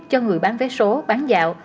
cho người bán vé số bán dạo